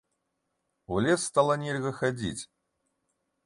У лес стала нельга хадзіць.